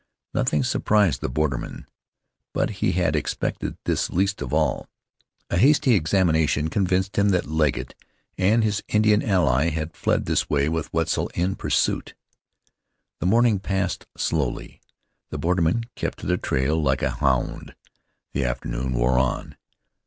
Nothing surprised the borderman; but he had expected this least of all. A hasty examination convinced him that Legget and his Indian ally had fled this way with Wetzel in pursuit. The morning passed slowly. The borderman kept to the trail like a hound. The afternoon wore on.